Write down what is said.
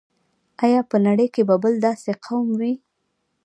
آیا په نړۍ کې به بل داسې قوم وي.